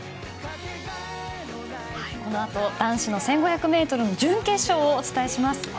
この後男子１５００ｍの準決勝をお伝えします。